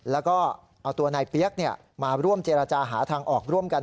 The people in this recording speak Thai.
แล้วก็เอาตัวนายเปี๊ยกมาร่วมเจรจาหาทางออกร่วมกัน